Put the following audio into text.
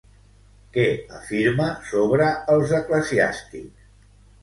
Què afirma sobre els eclesiàstics?